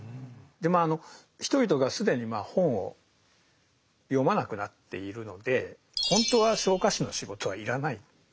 でまあ人々が既に本を読まなくなっているのでほんとは昇火士の仕事は要らないですよね。